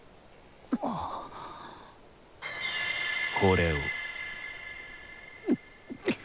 これを。